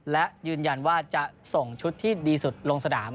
และยืนยันว่าจะส่งชุดที่ดีสุดลงสนาม